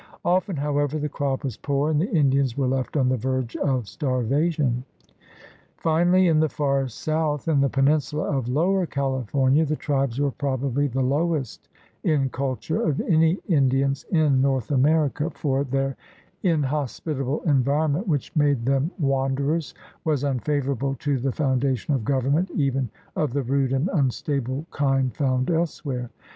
Often, however, the crop was poor, and the Indians were left on the verge of starvation. THE RED MAN IN AMERICA 139 Finally in the far south, in the peninsula of Lower California, the tribes were "probably the lowest in culture of any Indians in North America, for their inhospitable environment which made them wanderers, was unfavorable to the founda tion of government even of the rude and unstable kind found elsewhere."